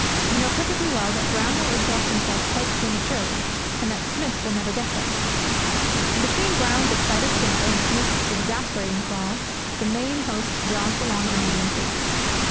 You know perfectly well that Brown will exhaust himself quite prematurely, and that Smith will never get there. And between Brown's excited scamper and Smith's exasperating crawl the main host jogs along at a medium pace.